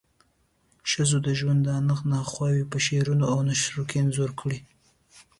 ښځو د ژوندانه ناخوالی په شعرونو او نثرونو کې انځور کړې.